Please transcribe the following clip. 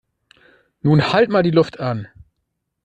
Nun halt mal die Luft an!